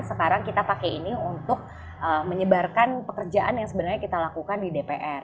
sekarang kita pakai ini untuk menyebarkan pekerjaan yang sebenarnya kita lakukan di dpr